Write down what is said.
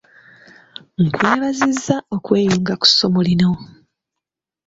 Nkwebazizza okweyunga ku ssomo lino.